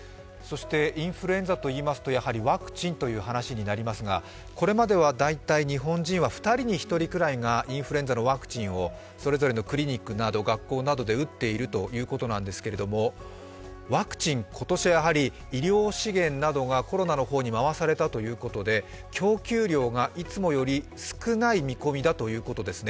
インフルエンザといいますと、ワクチンという話になりますがこれまでは大体、日本人は２人に１人くらいがインフルエンザのワクチンをそれぞれのクリニックなど学校などで打っているということですがワクチン、今年は医療資源などがコロナの方に回されたということで供給量がいつもより少ない見込みだということですね。